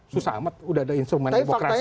susah amat udah ada instrumen demokrasi